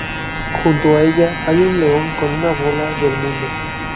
Junto a ella hay un león con una bola del mundo.